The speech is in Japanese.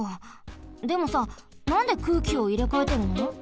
でもさなんで空気をいれかえてるの？